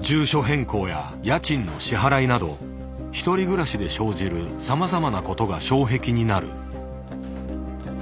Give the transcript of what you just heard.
住所変更や家賃の支払いなど１人暮らしで生じるさまざまなことが障壁になる。